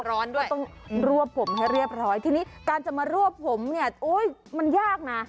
ด้วยต้องรวบผมให้เรียบร้อยทีนี้การจะมารวบผมเนี่ยโอ้ยมันยากนะ